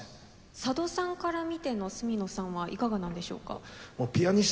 佐渡さんから見ての角野さんはいかがなんでしょうか？